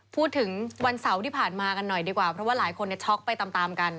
พูดถึงวันเสาร์ที่ผ่านมากันหน่อยดีกว่าเพราะว่าหลายคนช็อกไปตามกัน